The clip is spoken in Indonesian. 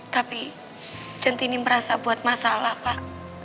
tapi centini merasa buat masalah pak